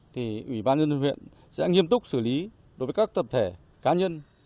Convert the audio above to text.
thì ủy ban nhân dân huyện sẽ nghiêm túc xử lý đối với các tập thể cá nhân